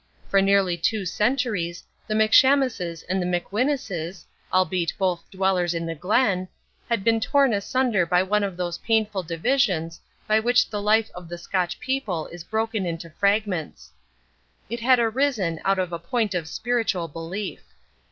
For nearly two centuries the McShamuses and the McWhinuses, albeit both dwellers in the Glen, had been torn asunder by one of those painful divisions by which the life of the Scotch people is broken into fragments. It had arisen out of a point of spiritual belief.